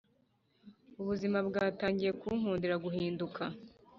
ubuzima bwatangiye kunkundira guhinduka